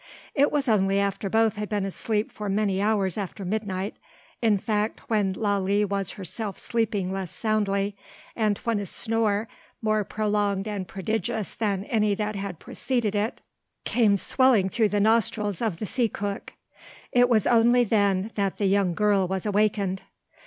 It was only after both had been asleep for many hours after midnight, in fact when Lalee was herself sleeping less soundly, and when a snore, more prolonged and prodigious than any that had preceded it, came swelling through the nostrils of the sea cook, it was only then that the young girl was awakened.